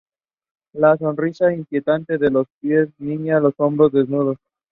She retired as Librarian Emeritus with an honorary degree of Master of Letters.